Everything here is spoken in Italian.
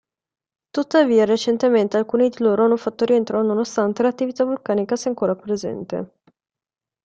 Tuttavia recentemente alcuni di loro hanno fatto rientro nonostante l'attività vulcanica sia ancora presente.